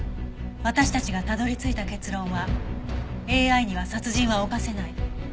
私たちがたどり着いた結論はＡＩには殺人は犯せない。